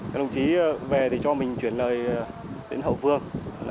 các đồng chí về thì cho mình chuyển lời đến hậu phương